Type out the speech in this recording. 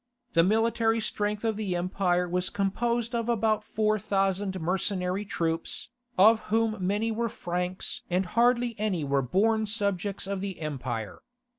The military strength of the empire was composed of about four thousand mercenary troops, of whom many were Franks and hardly any were born subjects of the empire.